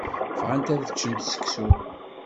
Bɣant ad ččent seksu.